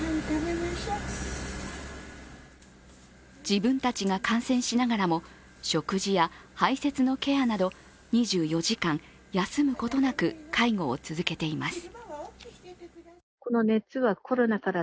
自分たちが感染しながらも、食事や排泄のケアなど２４時間休むことなく介護を続けています。